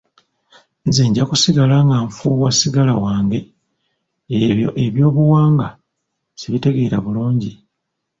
Nze nja kusigala nga nfuuwa ssigala wange, ebyo eby'obuwanga sibitegeera bulungi.